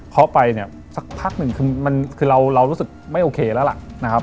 เคาะไปสักพักหนึ่งคือเรารู้สึกไม่โอเคแล้วล่ะ